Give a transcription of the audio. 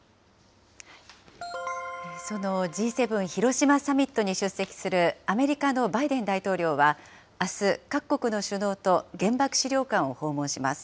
そのＧ７広島サミットに出席するアメリカのバイデン大統領は、あす、各国の首脳と原爆資料館を訪問します。